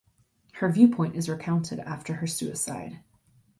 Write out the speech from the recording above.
Her viewpoint is recounted after her suicide.